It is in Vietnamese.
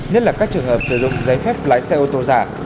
nhất là các trường hợp sử dụng giấy phép lái xe ô tô giả